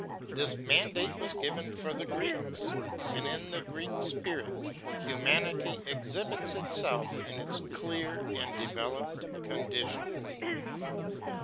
This mandate was given for the Greeks; and in the Greek Spirit, humanity exhibits itself in its clear and developed condition.